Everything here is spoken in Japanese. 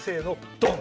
ドン！